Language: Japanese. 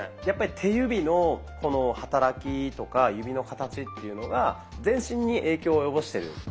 やっぱり手指のこの働きとか指の形っていうのが全身に影響を及ぼしてる。